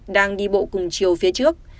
đang đi bộ cùng chiều phía trước